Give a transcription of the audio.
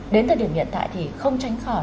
đến thời điểm hiện tại thì không tránh khỏi